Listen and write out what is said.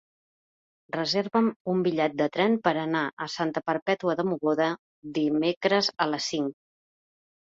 Reserva'm un bitllet de tren per anar a Santa Perpètua de Mogoda dimecres a les cinc.